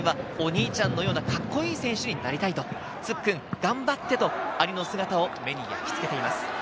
将来は、お兄ちゃんのようなカッコいい選手になりたいとつっ君、頑張って！と兄の姿を目に焼き付けています。